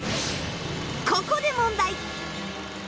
ここで問題！